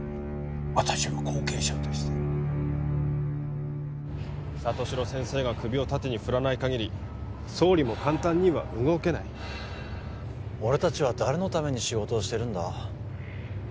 私の後継者として里城先生が首を縦に振らないかぎり総理も簡単には動けない俺達は誰のために仕事をしてるんだ？